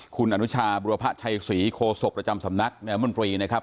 คุณอนุชาบุรพะชัยศรีโคศกประจำสำนักแนวมนตรีนะครับ